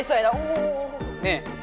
ねえ。